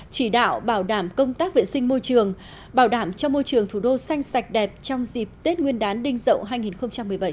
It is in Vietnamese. chỉ đạo bảo đảm công tác vệ sinh môi trường bảo đảm cho môi trường thủ đô xanh sạch đẹp trong dịp tết nguyên đán đinh dậu hai nghìn một mươi bảy